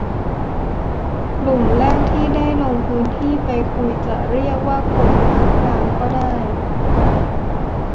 กลุ่มแรกที่ได้ลงพื้นที่ไปคุย จะเรียกว่ากลุ่มภาคกลางก็ได้